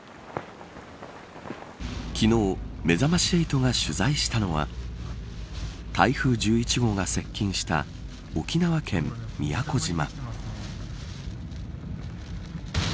昨日めざまし８が取材したのは台風１１号が接近した沖縄県宮古島。